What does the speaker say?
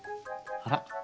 あら！